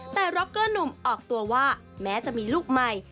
แต่ร็อกเกอร์หนุ่มออกตัวว่าแม้จะมีลูกใหม่